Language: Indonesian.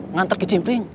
ngantar ke cimpling